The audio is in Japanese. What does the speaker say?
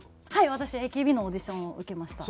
私ＡＫＢのオーディションを受けました。